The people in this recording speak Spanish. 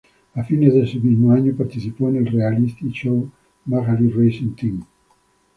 A fines de ese mismo año, participó en el reality show "Magaly Racing Team".